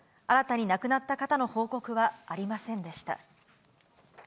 新たに亡くなった方の報告はありませんでした。